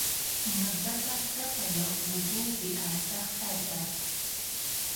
مځکه پرته له اوبو بېارزښته ده.